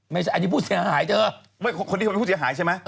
ไม่ใช่อันนี้ผู้เสียหายเธอคนนี้เขาเป็นผู้เสียหายใช่ไหม